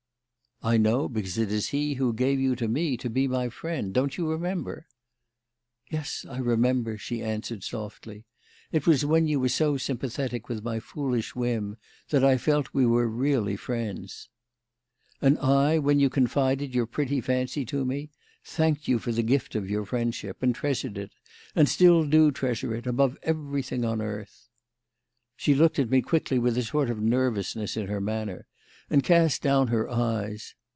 "I know, because it is he who gave you to me to be my friend. Don't you remember?" "Yes, I remember," she answered, softly. "It was when you were so sympathetic with my foolish whim that I felt we were really friends." "And I, when you confided your pretty fancy to me, thanked you for the gift of your friendship, and treasured it, and do still treasure it, above everything on earth." She looked at me quickly with a sort of nervousness in her manner, and cast down her eyes.